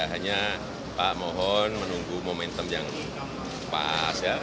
hanya pak mohon menunggu momentum yang pas ya